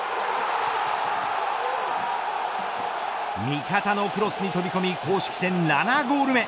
味方のクロスに飛び込み公式戦７ゴール目。